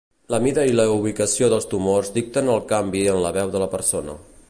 La mida i la ubicació dels tumors dicten el canvi en la veu de la persona.